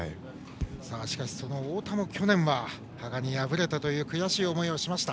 しかし、その太田も去年は羽賀に敗れたという悔しい思いをしました。